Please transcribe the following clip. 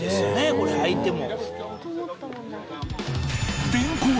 これ相手も。